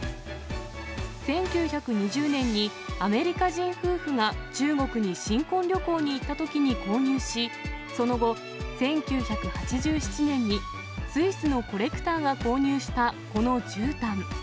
１９２０年にアメリカ人夫婦が中国に新婚旅行に行ったときに購入し、その後、１９８７年にスイスのコレクターが購入したこのじゅうたん。